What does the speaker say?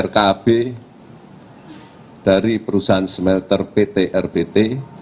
rkb dari perusahaan smelter pt rbt